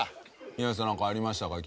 稲垣さん何かありましたか？